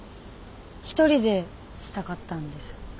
一人でしたかったんです。